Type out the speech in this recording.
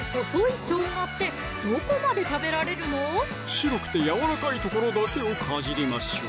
白くてやわらかい所だけをかじりましょう